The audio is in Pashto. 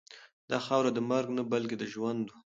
دا خاوره د مرګ نه بلکې د ژوند وه.